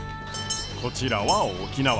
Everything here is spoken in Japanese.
こちらは沖縄。